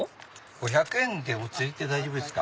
５００円でお釣り大丈夫ですか？